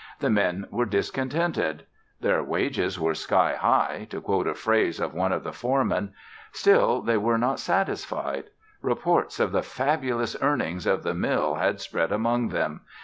The men were discontented. Their wages were "sky high," to quote a phrase of one of the foremen. Still, they were not satisfied. Reports of the fabulous earnings of the mill had spread among them.